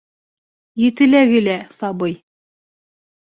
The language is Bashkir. Етеләге лә сабый.